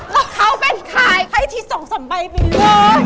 แล้วเขาเป็นคลายให้ที่สองสามใบไปเลย